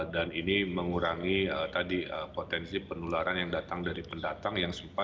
dan ini mengurangi tadi potensi penularan yang datang dari pendatang